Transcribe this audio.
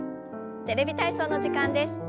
「テレビ体操」の時間です。